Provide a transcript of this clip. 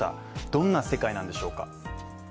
どんな世界なんでしょうか？